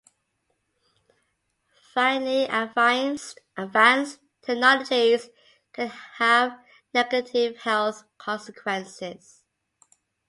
Finally, advanced technologies can have negative health consequences.